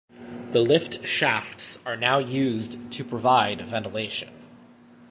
The lift shafts are now used to provide ventilation.